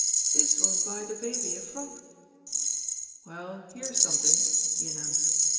— ^this won't buy the baby a frock." "Well, here's something,'* he announced.